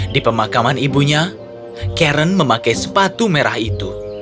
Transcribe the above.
di pemakaman ibunya karen memakai sepatu merah itu